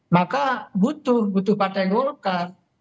maka butuh butuh partai golkar